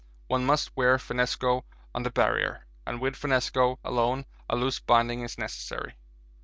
One must wear finnesko on the Barrier, and with finnesko alone a loose binding is necessary.